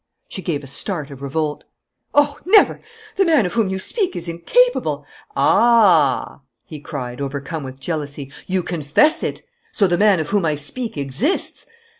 She gave a start of revolt. "Oh, never! The man of whom you speak is incapable " "Ah," he cried, overcome with jealousy, "you confess it! So the man of whom I speak exists!